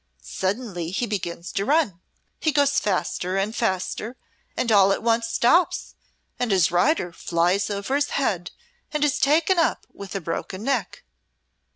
Suddenly he begins to run; he goes faster and faster, and all at once stops, and his rider flies over his head and is taken up with a broken neck.